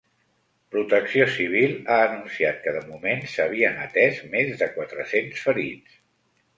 Protecció civil ha anunciat que de moment s’havien atès més de quatre-cents ferits.